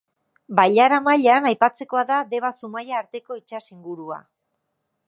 Bailara mailan aipatzekoa da Deba-Zumaia arteko itsas ingurua.